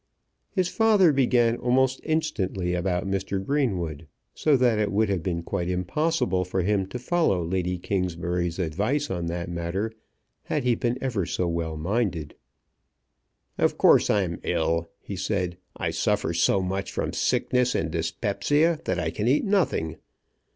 His father began almost instantly about Mr. Greenwood, so that it would have been quite impossible for him to follow Lady Kingsbury's advice on that matter had he been ever so well minded. "Of course I'm ill," he said; "I suffer so much from sickness and dyspepsia that I can eat nothing.